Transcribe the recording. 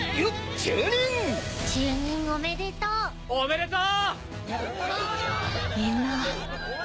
中忍おめでとう！